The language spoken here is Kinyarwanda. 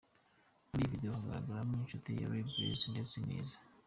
Muri iyi video hagaragaramo inshuti za Ray Blaze ndetse niza.